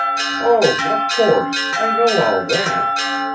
"Oh, of course; I know all that.